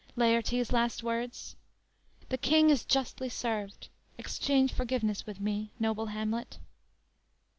Laertes' last words: _"The King is justly served; Exchange forgiveness with me, noble Hamlet."